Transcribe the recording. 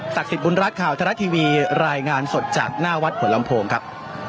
สิทธิบุญรัฐข่าวทรัฐทีวีรายงานสดจากหน้าวัดหัวลำโพงครับ